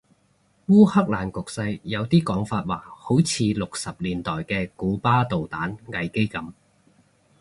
烏克蘭局勢有啲講法話好似六十年代嘅古巴導彈危機噉